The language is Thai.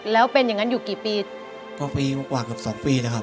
แล้วเป็นอย่างงั้นอยู่กี่ปีก็ปีกว่าเกือบสองปีแล้วครับ